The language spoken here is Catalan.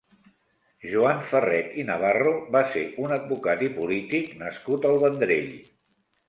Joan Ferret i Navarro va ser un advocat i polític nascut al Vendrell.